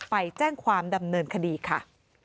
ไปแจ้งความดำเนินคดีค่ะ